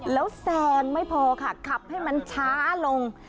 แล้วแซงไม่พอค่ะขับให้มันช้าลง